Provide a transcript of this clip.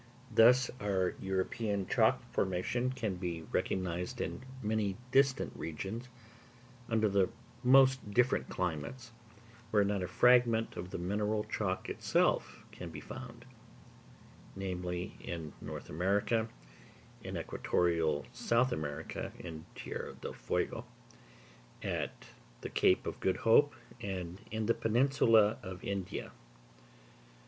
Thus our European Chalk formation can be recognised in many distant regions, under the most different climates, where not a fragment of the mineral chalk itself can be found; namely, in North America, in equatorial South America, in Tierra del Fuego, at the Cape of Good Hope, and in the peninsula of India.